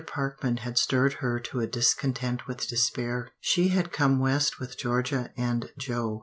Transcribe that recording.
Parkman had stirred her to a discontent with despair. She had come West with Georgia and Joe.